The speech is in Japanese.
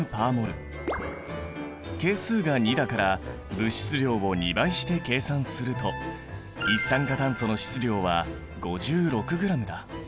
係数が２だから物質量を２倍して計算すると一酸化炭素の質量は５６ｇだ。